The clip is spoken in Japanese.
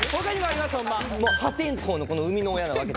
破天荒の生みの親なわけですよ。